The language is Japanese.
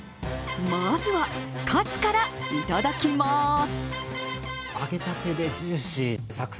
まずは、カツからいただきます。